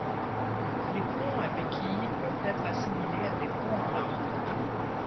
Les ponts à béquilles peuvent être assimilés à des ponts en arc.